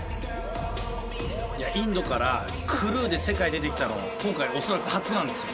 インドからクルーで世界出てきたの今回恐らく初なんですよ。